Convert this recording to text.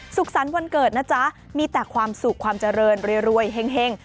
สุขสรรค์วันเกิดนะจ๊ะมีแต่ความสุขความเจริญรวยเฮ่ง